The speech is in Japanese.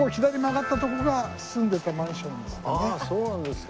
ああそうなんですか。